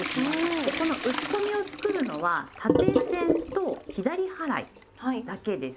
でこの打ち込みを作るのは縦線と左払いだけです。